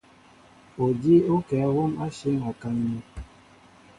Odíw ó kɛ̌ hǒm ashɛ̌ŋ a kaŋ̀in.